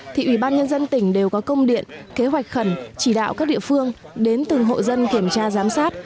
thì ủy ban nhân dân tỉnh đều có công điện kế hoạch khẩn chỉ đạo các địa phương đến từng hộ dân kiểm tra giám sát